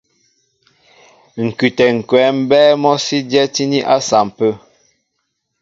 Ŋ̀kʉtɛ̌ ŋ̀kwɛ̌ mbɛ́ɛ́ mɔ́ sí dyɛ́tíní à sampə̂.